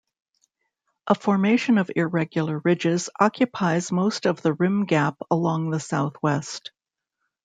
A formation of irregular ridges occupies most of the rim gap along the southwest.